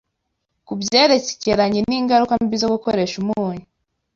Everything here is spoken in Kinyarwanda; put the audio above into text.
ku byerekeranye n’ingaruka mbi zo gukoresha umunyu,